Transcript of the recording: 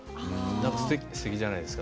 すてきじゃないですか？